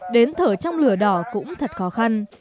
đến thở trong lửa đỏ cũng thật khó khăn